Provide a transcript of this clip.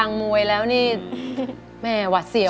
มวยแล้วนี่แม่หวัดเสี่ยว